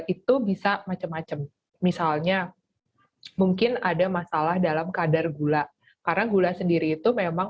itu bisa macam macam misalnya mungkin ada masalah dalam kadar gula karena gula sendiri itu memang